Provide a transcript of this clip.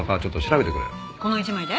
この１枚で？